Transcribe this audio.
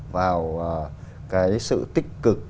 vào cái sự tích cực